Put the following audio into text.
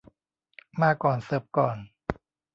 มาก่อน เสิร์ฟก่อน